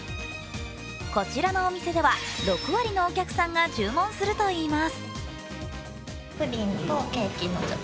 こちらのお店では６割のお客さんが注目するといいます。